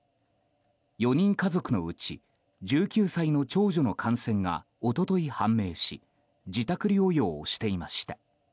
４人家族のうち、１９歳の長女の感染が一昨日判明し自宅療養をしていました。